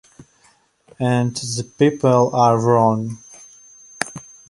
And the people are wrong.